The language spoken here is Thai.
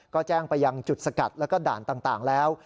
ก็แจ้งไปยังจุดสกัดแล้วก็ด่านต่างแล้ว